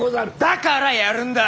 だからやるんだ。